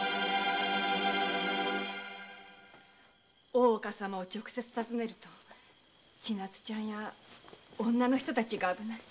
大岡様を直接訪ねると千奈津ちゃんや女の人たちが危ない。